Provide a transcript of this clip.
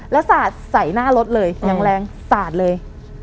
แล้วสาดใส่หน้ารถเลยอย่างแรงสาดเลย